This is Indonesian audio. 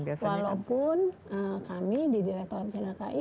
walaupun kami di direkturan sinrki